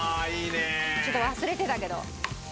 ちょっと忘れてたけど。